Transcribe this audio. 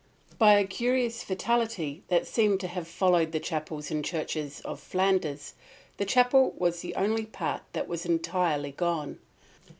By a curious fatality that seems to have followed the chapels and churches of Flanders, the chapel was the only part that was entirely gone.